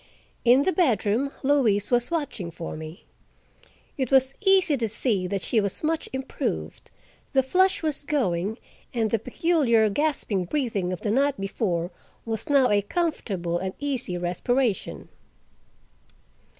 In the bedroom Louise was watching for me. It was easy to see that she was much improved; the flush was going, and the peculiar gasping breathing of the night before was now a comfortable and easy respiration.